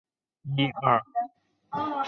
诸蒲县是越南嘉莱省下辖的一个县。